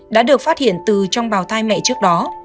đã được phát hiện từ trong bào thai mẹ trước đó